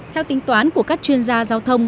theo tính toán của các chuyên gia giao thông